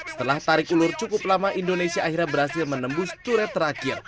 setelah tarik ulur cukup lama indonesia akhirnya berhasil menembus turet terakhir